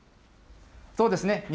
そうですね。